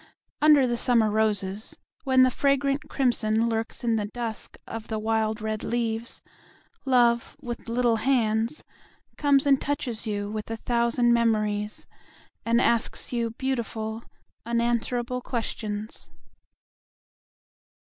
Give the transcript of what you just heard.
Under the summer rosesWhen the flagrant crimsonLurks in the duskOf the wild red leaves, Love, with little hands, Comes and touches youWith a thousand memories, And asks youBeautiful, unanswerable questions.